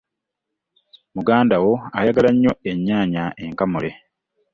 Muganda wo ayagala nnyo ennyanya enkamule.